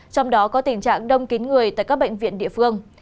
trong đó có tình trạng đông kín người tại các bệnh viện địa phương